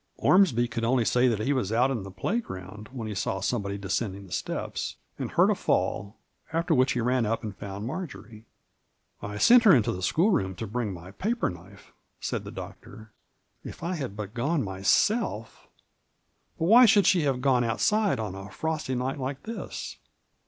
Ormsby could only say that he was out in the play ground, when he saw somebody descending the steps, and heard a fall, after which he ran up and found Mar jory " I sent her into the school room to bring my paper knife," said the Doctor ;" if I had but gone myself — But why should she have gone outside on a frosty night like this?"